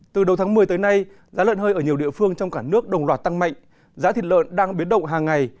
từ đầu tháng một mươi tới nay giá lợn hơi ở nhiều địa phương trong cả nước đồng loạt tăng mạnh giá thịt lợn đang biến động hàng ngày